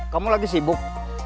kamu lagi sibuk